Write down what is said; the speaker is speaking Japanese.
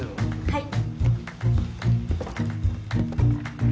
はい。